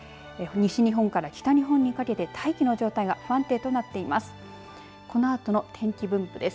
西日本から北日本にかけて大気の状態が不安定となっています。